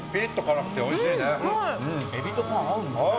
エビとパン合うんですね。